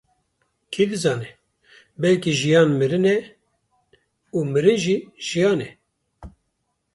Kî dizane, belkî jiyan mirin e û mirin jiyan e!